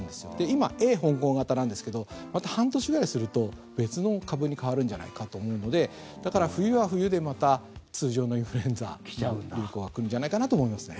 今、Ａ香港型なんですけどまた半年ぐらいすると別の株に変わるんじゃないかと思うのでだから、冬は冬でまた通常のインフルエンザ流行が来るんじゃないかなと思いますね。